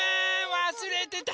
わすれてた。